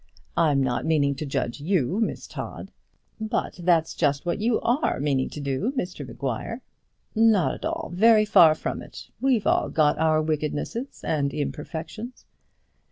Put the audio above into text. I'm not meaning to judge you, Miss Todd " "But that's just what you are meaning to do, Mr Maguire." "Not at all; very far from it. We've all got our wickednesses and imperfections."